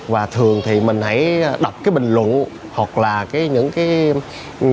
và thường thì mình hãy đọc cái bình luận hoặc là những cái